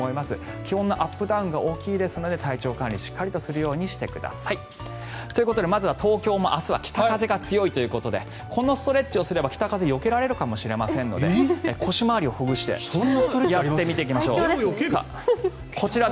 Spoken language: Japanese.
気温のアップダウンが大きいですので体調管理をしっかりするようにしてください。ということで東京明日は北風が強いということでこのストレッチをすれば北風をよけられるかもしれませんのでいよいよ厳しい冬本番。